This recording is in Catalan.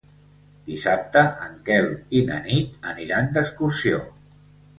Dissabte en Quel i na Nit aniran d'excursió.